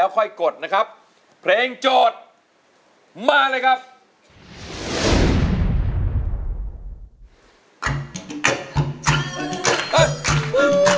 ทุกคนนี้ก็ส่งเสียงเชียร์ทางบ้านก็เชียร์